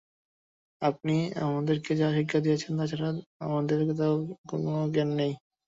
আপনি আমাদেরকে যা শিক্ষা দিয়েছেন তাছাড়া আমাদের তো কোন জ্ঞানই নেই।